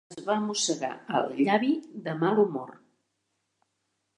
Es va mossegar el llavi de mal humor.